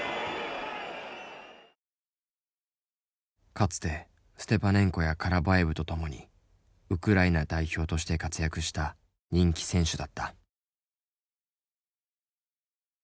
かつてステパネンコやカラヴァエヴと共にウクライナ代表として活躍した人気選手だった。